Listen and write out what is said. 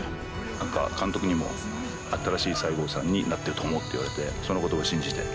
何か監督にも新しい西郷さんになっていると思うって言われてその言葉信じて。